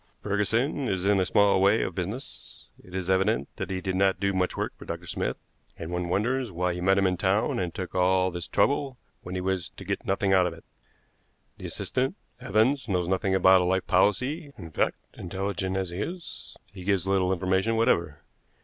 Ferguson is in a small way of business; it is evident that he did not do much work for Dr. Smith, and one wonders why he met him in town and took all this trouble when he was to get nothing out of it. The assistant, Evans, knows nothing about a life policy; in fact, intelligent as he is, he gives little information whatever.